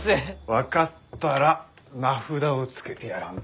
分かったら名札をつけてやらんとな。